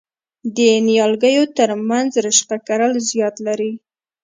د نیالګیو ترمنځ رشقه کرل زیان لري؟